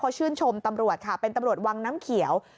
เขาชื่นชมตำรวจค่ะเป็นตำรวจวังน้ำเขียว